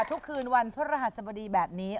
ทุกคืนวันพระรหัสบดีแบบนี้